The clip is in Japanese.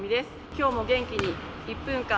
今日も元気に「１分間！